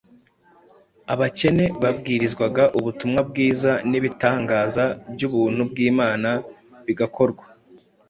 abakene babwirizwaga ubutumwa bwiza n’ibitangaza by’ubuntu bw’Imana bigakorwa.